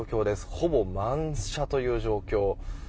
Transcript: ほぼ満車という状況。